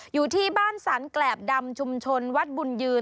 อยู่ที่บ้านสรรแกรบดำชุมชนวัดบุญยืน